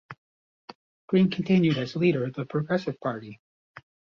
Green continued as leader of the Progressive Party.